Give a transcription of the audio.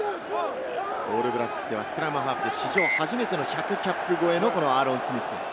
オールブラックスではスクラムハーフ史上初めての１００キャップ超えのアーロン・スミス。